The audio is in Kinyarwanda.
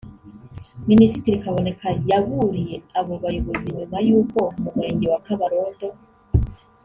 Minisitiri Kaboneka yaburiye abo bayobozi nyuma y’uko mu Murenge wa Kabarondo